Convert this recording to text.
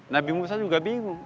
nabi musa juga bingung